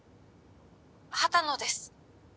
☎畑野です